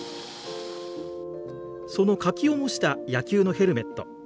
その柿を模した野球のヘルメット。